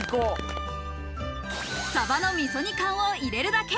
鯖の味噌煮缶を入れるだけ。